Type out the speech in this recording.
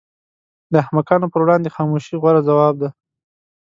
د احمقانو پر وړاندې خاموشي غوره ځواب دی.